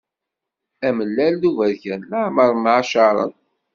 Amellal d uberkan leɛmeṛ mɛacaṛen.